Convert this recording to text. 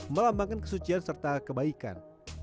melambangkan kesucian serta kebaikan